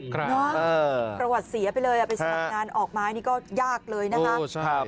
ใช่คลาวตเสียไปเลยไปสถานงานออกไม้นี่ก็ยากเลยนะฮะ